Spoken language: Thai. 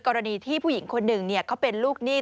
กรณีที่ผู้หญิงคนหนึ่งเขาเป็นลูกหนี้